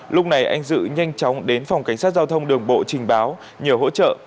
lúc này anh dự nhanh chóng đến phòng cảnh sát giao thông đường bộ trình báo nhờ hỗ trợ